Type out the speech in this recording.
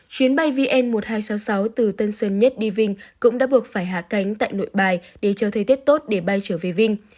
chuyến bay vn một nghìn hai trăm sáu mươi sáu từ tân sơn nhất đi vinh cũng đã buộc phải hạ cánh tại nội bài để chờ thời tiết tốt để bay trở về vinh